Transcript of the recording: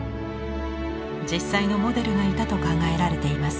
実際のモデルがいたと考えられています。